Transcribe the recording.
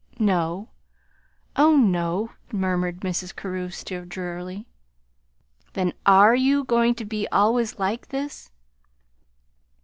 "No, oh, no," murmured Mrs. Carew, still drearily. "Then ARE you going to be always like this?"